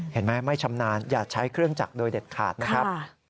เห็นไหมไม่ชำนาญอย่าใช้เครื่องจักรโดยเด็ดขาดนะครับ